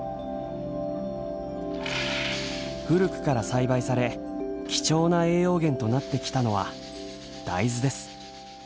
古くから栽培され貴重な栄養源となってきたのは大豆です。